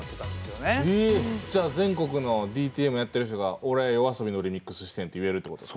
じゃあ全国のＤＴＭやってる人が「俺ＹＯＡＳＯＢＩのリミックスしてる」って言えるってこと？